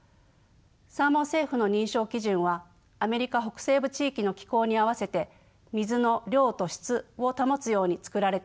サーモン・セーフの認証基準はアメリカ北西部地域の気候に合わせて水の量と質を保つように作られています。